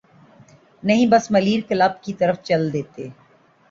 نہیں بس ملیر کلب کی طرف چل دیتے۔